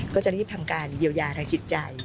ก็จะรีบทำการเยียวยาทางจิตใจ